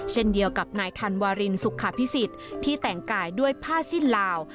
เช่นเดียวกับนายธันวารินสุขภิษฎที่แต่งกายด้วยผ้าสิ้นลาว